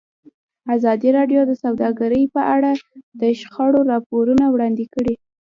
ازادي راډیو د سوداګري په اړه د شخړو راپورونه وړاندې کړي.